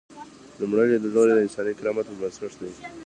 لومړی لیدلوری د انساني کرامت پر بنسټ دی.